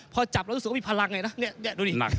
พอจับแล้วรู้สึกว่ามีพลังเนี่ยเนี่ยเนี่ยดูนี่